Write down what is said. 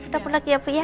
kata pun lagi ya bu ya